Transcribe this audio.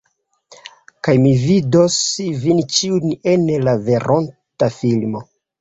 Kaj mi vidos vin ĉiujn en la veronta filmo.